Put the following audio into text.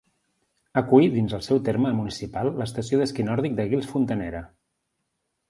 Acull dins el seu terme municipal l'estació d'esquí nòrdic de Guils Fontanera.